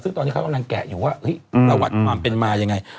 ซึ่งตอนนี้เขากำลังแกะอยู่ว่าประวัติความเป็นมายังไง